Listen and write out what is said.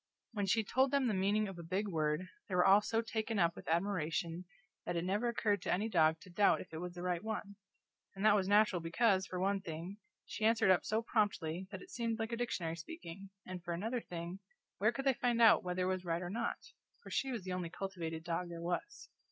When she told the meaning of a big word they were all so taken up with admiration that it never occurred to any dog to doubt if it was the right one; and that was natural, because, for one thing, she answered up so promptly that it seemed like a dictionary speaking, and for another thing, where could they find out whether it was right or not? for she was the only cultivated dog there was.